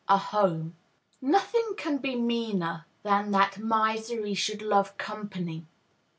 A Home. Nothing can be meaner than that "Misery should love company."